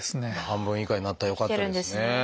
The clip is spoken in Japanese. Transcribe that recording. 半分以下になったよかったですね。